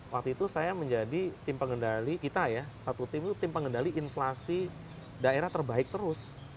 waktu itu saya menjadi tim pengendali kita ya satu tim itu tim pengendali inflasi daerah terbaik terus